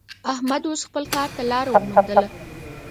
احمد اوس خپل کار ته لاره ومېندله.